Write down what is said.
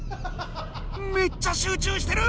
めっちゃ集中してる！